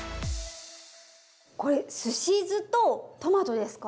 これすし酢とトマトですか。